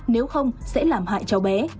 nếu không sẽ làm hại cháu bé